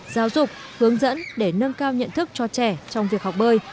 giáo dục hướng dẫn để nâng cao nhận thức cho trẻ trong việc học bơi